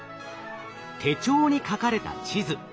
手帳に書かれた地図。